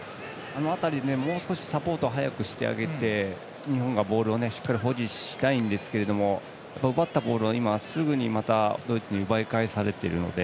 あの辺りでもう少しサポートを早くしてあげて日本がボールをしっかり保持したいんですが奪ったボールはすぐドイツに奪い返されているので